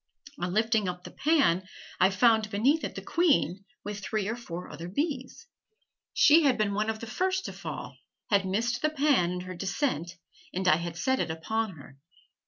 On lifting up the pan, I found beneath it the queen with three or four other bees. She had been one of the first to fall, had missed the pan in her descent, and I had set it upon her.